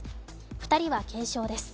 ２人は軽傷です。